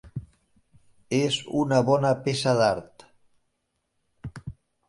És una bona peça d'art.